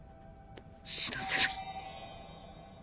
死なせない。